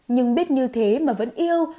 nhưng biết như thế mà vẫn yêu